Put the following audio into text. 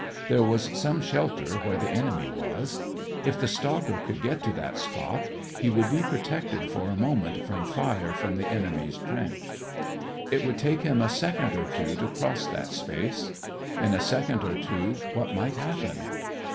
There was some shelter where the enemy was. If the stalker could get to that spot he would be protected for a moment from fire from the enemy's trench. It would take him a second or two to cross that space. In a second or two what might happen?